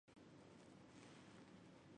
夜叉是日本将棋的棋子之一。